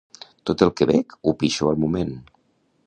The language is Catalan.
Tot el que bec ho pixo al moment